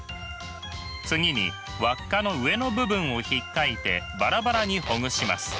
次に輪っかの上の部分をひっかいてバラバラにほぐします。